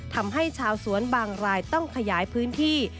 ทำให้ชาวสวนบางรายต้องขยายพื้นที่